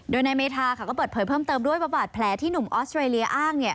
โดยนายเมธาก็เปิดเผยเพิ่มเติมด้วยว่าบาดแผลที่หนุ่มออสเตรเลียอ้าง